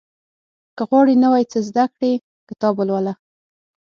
• که غواړې نوی څه زده کړې، کتاب ولوله.